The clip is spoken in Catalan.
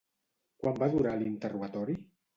Quant va durar l'interrogatori?